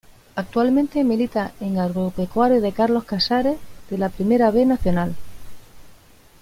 Actualmente milita en Agropecuario de Carlos Casares de la Primera B Nacional.